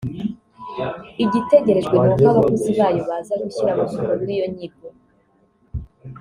Igitegerejwe ni uko abakozi bayo baza gushyira mu bikorwa iyo nyigo